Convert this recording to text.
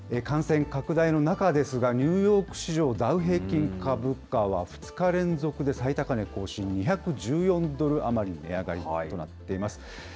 感染拡大の中ですが、ニューヨーク市場、ダウ平均株価は２日連続で最高値更新、２１４ドル余り値上がりとなっています。